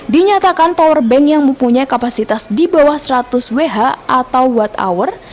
dinyatakan powerbank yang mempunyai kapasitas di bawah seratus wh atau white hour